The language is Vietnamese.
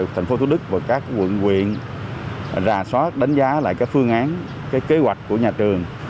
thành phố thủ đức và các quận quyện ra soát đánh giá lại các phương án kế hoạch của nhà trường